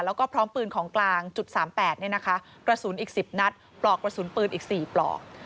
แล้วก็พร้อมปืนของกลางจุด๓๘กระสุนอีก๑๐นัดปลอกกระสุนปืนอีก๔ปลอก